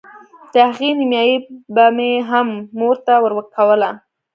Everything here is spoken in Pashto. د هغې نيمايي به مې هم مور ته ورکوله.